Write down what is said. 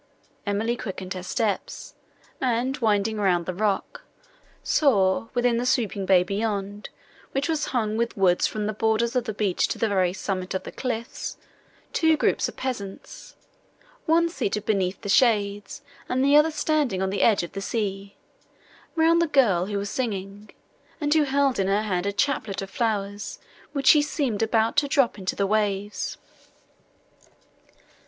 Emily quickened her steps, and, winding round the rock, saw, within the sweeping bay, beyond, which was hung with woods from the borders of the beach to the very summit of the cliffs, two groups of peasants, one seated beneath the shades, and the other standing on the edge of the sea, round the girl, who was singing, and who held in her hand a chaplet of flowers, which she seemed about to drop into the waves.